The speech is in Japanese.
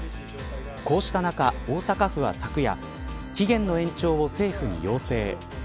こうした中、大阪府は昨夜期限の延長を政府に要請。